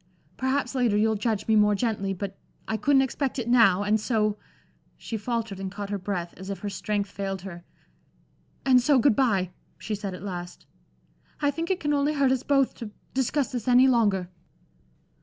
Perhaps, later, you'll judge me more gently; but I couldn't expect it now. And so" she faltered and caught her breath, as if her strength failed her "and so good bye," she said at last. "I think it can only hurt us both to discuss this any longer."